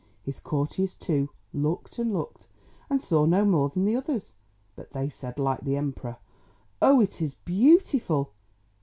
His courtiers, too, looked and looked, and saw no more than the others; but they said like the Emperor, "Oh! it is beautiful!"